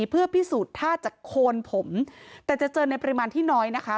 เพื่อพิสูจน์ท่าจากโคนผมแต่จะเจอในปริมาณที่น้อยนะคะ